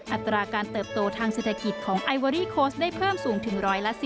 อัตราการเติบโตทางเศรษฐกิจของไอเวอรี่โค้ชได้เพิ่มสูงถึง๑๑๐